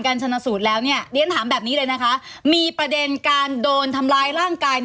ชนะสูตรแล้วเนี่ยเรียนถามแบบนี้เลยนะคะมีประเด็นการโดนทำร้ายร่างกาย